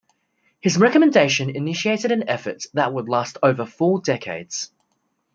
His recommendation initiated an effort that would last over four decades.